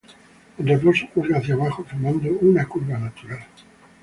En reposo cuelga hacia abajo formando una curva natural.